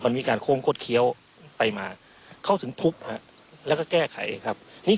มันมีการโค้งคดเคี้ยวไปมาเขาถึงทุบฮะแล้วก็แก้ไขครับนี่